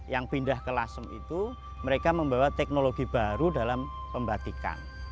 yang pindah ke lasem itu mereka membawa teknologi baru dalam pembatikan